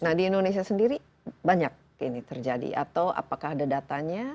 nah di indonesia sendiri banyak ini terjadi atau apakah ada datanya